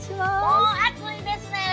もう暑いですね！